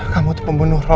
kamu tuh pembunuh roy